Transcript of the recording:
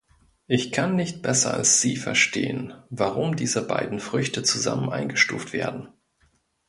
Ich kann nicht besser als sie verstehen, warum diese beiden Früchte zusammen eingestuft werden.